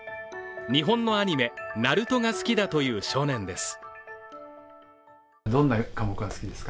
日本のアニメ「ＮＡＲＵＴＯ」が好きだという少年です。